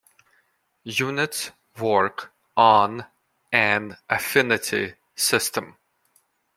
Units work on an affinity system.